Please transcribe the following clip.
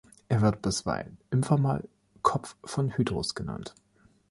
Er wird bisweilen informell Kopf von Hydrus genannt.